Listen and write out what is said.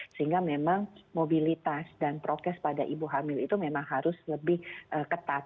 sehingga memang mobilitas dan prokes pada ibu hamil itu memang harus lebih ketat